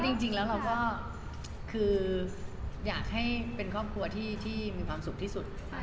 จริงแล้วเราก็คืออยากให้เป็นครอบครัวที่มีความสุขที่สุด